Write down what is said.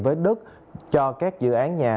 với đất cho các dự án nhà